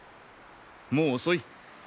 もう遅い。